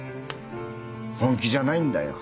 本気じゃないんだよ。